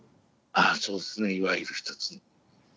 ああそうですねいわゆるひとつの。